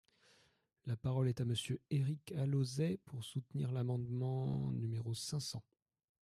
La parole est à Monsieur Éric Alauzet, pour soutenir l’amendement numéro cinq cents.